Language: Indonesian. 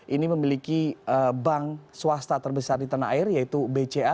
ini memiliki bank swasta terbesar di tanah air yaitu bca